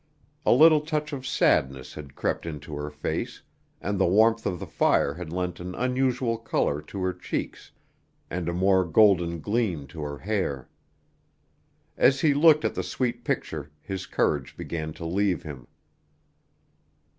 A little touch of sadness had crept into her face, and the warmth of the fire had lent an unusual color to her cheeks and a more golden gleam to her hair. As he looked at the sweet picture his courage began to leave him.